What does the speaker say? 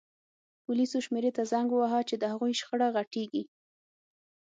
پولیسو شمېرې ته زنګ ووهه چې د هغوی شخړه غټیږي